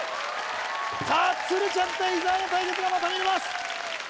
さあ鶴ちゃん対伊沢の対決がまた見れます